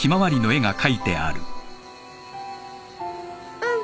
うん。